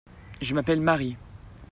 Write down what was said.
Je m'appelle Mary.